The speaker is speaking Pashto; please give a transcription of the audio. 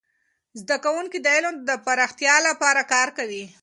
زده کوونکي د علم د پراختیا لپاره کار کوي.